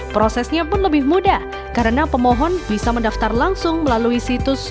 prosesnya pun lebih mudah karena pemohon bisa mendaftar langsung melalui situs